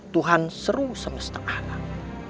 tuhan seru semesta alam